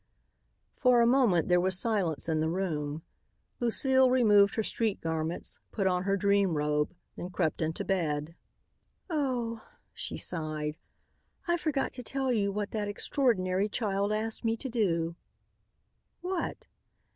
For a moment there was silence in the room. Lucile removed her street garments, put on her dream robe, then crept into bed. "Oh," she sighed, "I forgot to tell you what that extraordinary child asked me to do." "What?"